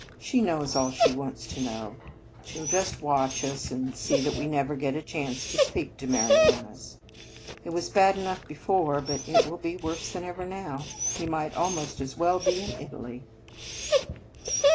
She knows all she wants to know. She 11 just watch us, and see that we never get a chance to speak to Marianus. It was bad enough before, but it will be worse than ever now. He might al most as well be in Italy."